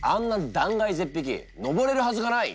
断崖絶壁登れるはずがない。